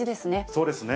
そうですね。